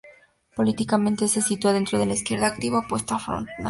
Políticamente, se sitúa dentro de la izquierda activa, opuesto al Front National.